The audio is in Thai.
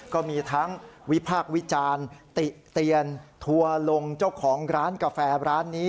ก็มีทั้งวิพากษ์วิจารณ์ติเตียนทัวร์ลงเจ้าของร้านกาแฟร้านนี้